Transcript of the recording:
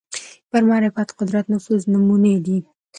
پر معرفت قدرت نفوذ نمونې دي